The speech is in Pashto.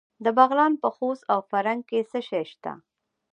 د بغلان په خوست او فرنګ کې څه شی شته؟